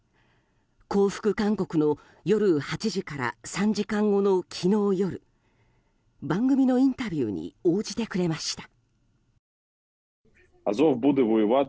降伏勧告の夜８時から３時間後の昨日夜番組のインタビューに応じてくれました。